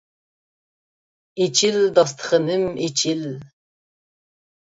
ئېچىل داستىخىنىم ئېچىل!